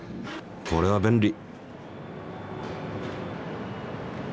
これは便利。